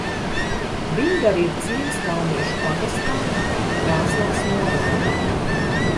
Bindari ir ciems Kalniešu pagastā, Krāslavas novadā.